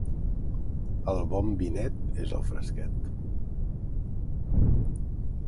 El bon vinet és el fresquet.